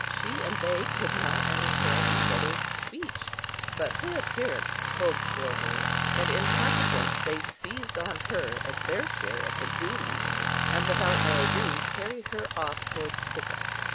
She and they could not understand each other's speech; but her appearance spoke for her, and, in consequence, they seized on her as their share of the booty, and without more ado, carried her off towards Sicca.